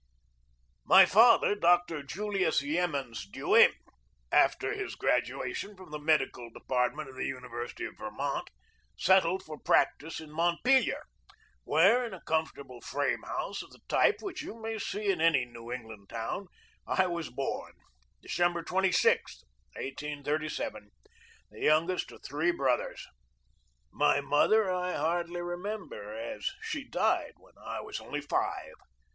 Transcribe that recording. My father, Doctor Julius Yemans Dewey, after his graduation from the medical department of the DOCTOR JULIUS YEMENS DEWEY EARLY YEARS 5 University of Vermont, settled for practice in Mont pelier, where, in a comfortable frame house of the type which you may see in any New England town, I was born, December 26, 1837, the youngest of three brothers. My mother I hardly remember, as she died when I was only five.